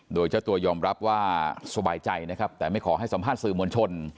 โดยเจ้าตัวยอมรับว่าสบายใจนะครับแต่ไม่ขอให้สัมภาษณ์สื่อมวลชน